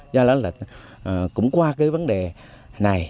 do đó là cũng qua cái vấn đề này